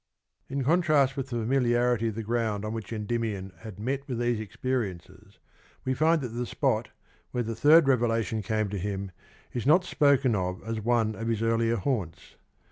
In contrast with the familiarity of the ground on '^VS^l which Endymion had met with these experiences, we find that the spot where the third revelation came to him is not spoken of as one of his earlier haunts.